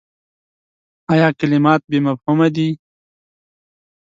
ایا کلمات بې مفهومه دي ؟